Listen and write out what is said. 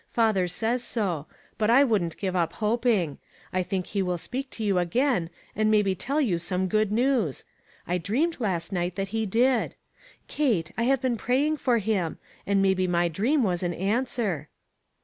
Father says so. But I wouldn't give up hoping. I think he will speak to you again, and maybe tell you some good news. I dreamed last night that he did. Kate, I have been praying for him, and maybe my dream was an answer."